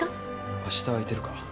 明日空いてるか？